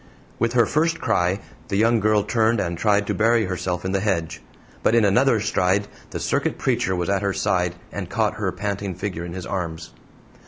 With her first cry, the young girl turned and tried to bury herself in the hedge; but in another stride the circuit preacher was at her side, and caught her panting figure in his arms.